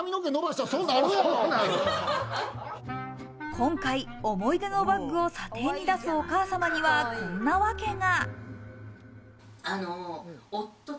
今回、思い出のバッグを査定に出すお母様には、こんなわけが。